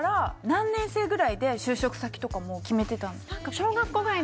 何年生ぐらいで就職先とかもう決めてたの？